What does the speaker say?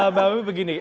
mbak ami begini